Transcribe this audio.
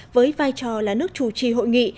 với vai trò là nước chủ trì hội nghị